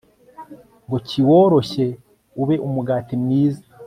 ngo kiworoshye ube umugati mwiza